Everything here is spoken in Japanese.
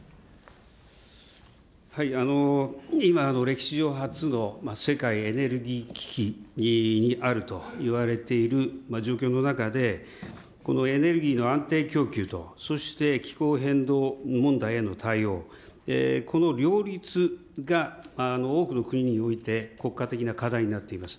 今、歴史上初の世界エネルギー危機にあるといわれている状況の中で、このエネルギーの安定供給と、そして気候変動問題への対応、この両立が多くの国において国家的な課題になっております。